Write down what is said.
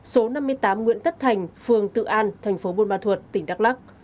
số năm mươi tám nguyễn tất thành phường tự an thành phố buôn ba thuột tỉnh đắk lắc